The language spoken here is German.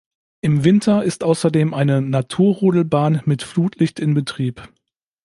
Im Winter ist außerdem eine Naturrodelbahn mit Flutlicht in Betrieb.